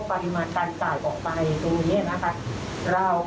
ตรงนั้นเรายังสักสินใจไม่ได้นะครับ